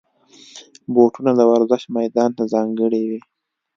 بوټونه د ورزش میدان ته ځانګړي وي.